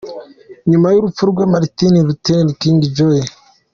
Nyuma y’urupfu rwe, Martin Luther King, Jr.